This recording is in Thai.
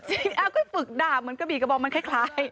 ไปฝึกดาบเหมือนกระบี่กระบองมันคล้าย